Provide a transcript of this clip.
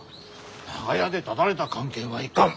長屋でただれた関係はいかん！